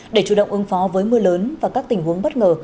để chủ động ứng phó với mưa lớn và các tình huống bất ngờ